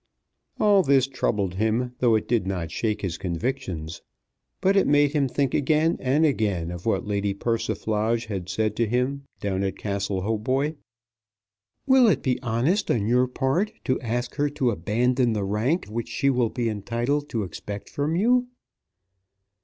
All this troubled him, though it did not shake his convictions. But it made him think again and again of what Lady Persiflage had said to him down at Castle Hautboy. "Will it be honest on your part to ask her to abandon the rank which she will be entitled to expect from you?"